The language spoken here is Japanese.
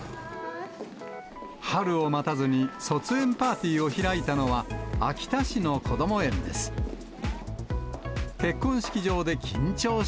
春を待たずに、卒園パーティーを開いたのは、秋田市のこども園です。